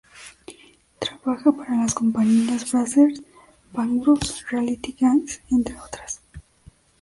Trabaja para las compañías Brazzers, Bangbros, Reality Kings, entre otras.